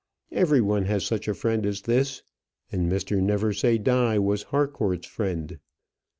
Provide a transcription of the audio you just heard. Every one has such a friend as this, and Mr. Neversaye Die was Harcourt's friend.